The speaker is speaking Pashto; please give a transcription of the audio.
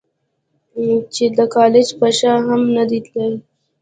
چې د کالج پۀ شا هم نۀ دي تلي -